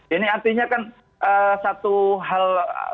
ini artinya kan satu hal